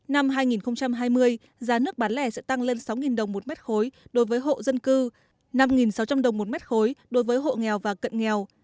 năm hai nghìn hai mươi giá nước bán lẻ sẽ tăng lên sáu đồng một mét khối đối với hộ dân cư năm sáu trăm linh đồng một mét khối đối với hộ nghèo và cận nghèo